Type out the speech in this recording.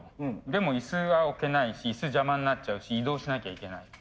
でも椅子は置けないし椅子邪魔になっちゃうし移動しなきゃいけない。